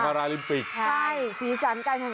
มรภัยบานกับพลิมปิกและรวมสิทธิ์ฮาราลิมปิก